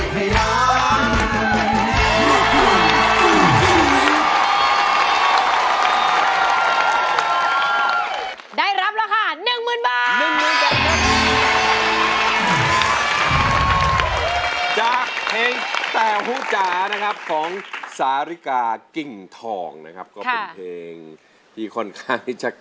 โปรดติดตามตอนต่อไป